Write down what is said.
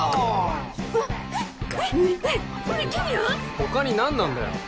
他に何なんだよ。